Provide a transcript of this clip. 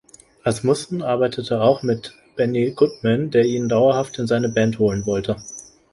Asmussen arbeitete auch mit Benny Goodman, der ihn dauerhaft in seine Band holen wollte.